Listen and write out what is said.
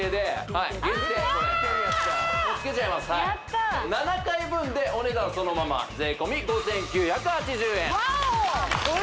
はい７回分でお値段そのまま税込５９８０円ワオ！